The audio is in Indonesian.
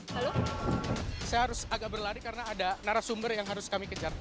halo saya harus agak berlari karena ada narasumber yang harus kami kejar